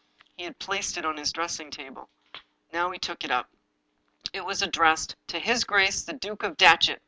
He had placed it on his writing table. Now he took it up. It was ad dressed: '" To His Grace the Duke of Datchet.